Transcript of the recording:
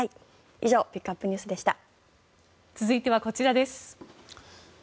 以上ピックアップＮＥＷＳでした。